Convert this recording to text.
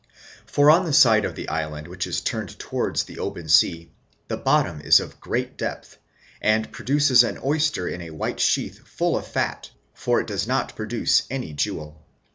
For on the side of the island which is turned. towards the open sea, the bottom is of great depth, and produces an oyster in a white sheath full of fat, for it does not produce any jewel.